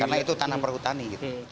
karena itu tanah perhutani